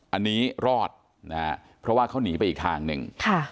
อันนี้รอดนะฮะเพราะว่าเขาหนีไปอีกทางหนึ่ง